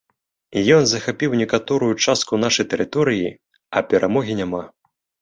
Ён захапіў некаторую частку нашай тэрыторыі, а перамогі няма.